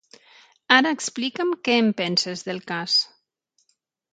Ara explica'm què en penses del cas.